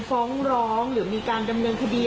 ฟ้องร้องหรือมีการดำเนินคดี